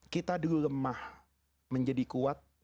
kita dulu lemah menjadi kuat